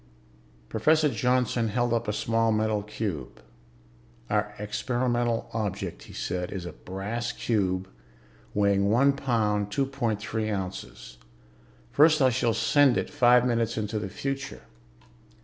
Professor Johnson held up a small metal cube. "Our experimental object," he said, "is a brass cube weighing one pound, two point three ounces. First, I shall send it five minutes into the future."